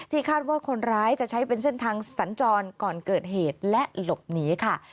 คาดว่าคนร้ายจะใช้เป็นเส้นทางสัญจรก่อนเกิดเหตุและหลบหนีค่ะ